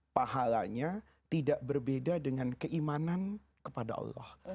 pahalanya tidak berbeda dengan keimanan kepada allah